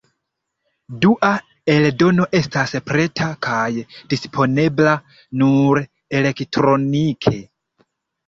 Dua eldono estas preta kaj disponebla nur elektronike.